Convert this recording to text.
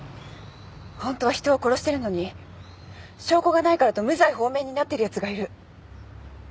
ホントは人を殺してるのに証拠がないからと無罪放免になってるやつがいる。